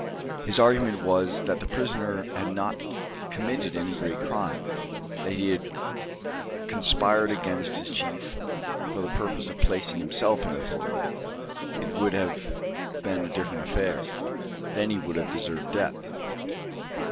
His argument was, that the prisoner had not committed any great crime; that had he conspired against his chief for the purpose of placing himself in authority, it would have been a different affair. Then he would have deserved death.